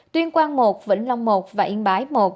tuyên quang một vĩnh long một và yên bái một